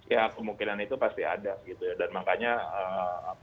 ya kemungkinan itu pasti ada